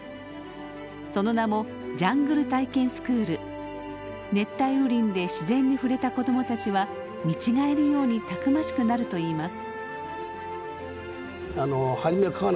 その名も熱帯雨林で自然に触れた子供たちは見違えるようにたくましくなるといいます。